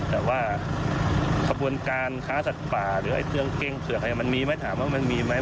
แต่ว่าขบวนการค้าสัตว์ป่าหรือไอ้เครื่องเก้งเผือกมันมีไหมถามว่ามันมีไหม